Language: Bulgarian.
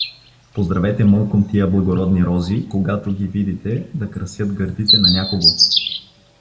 Поздравете мълком тия благородни рози, когато ги видите да красят гърдите на някого.